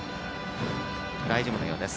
大丈夫のようです。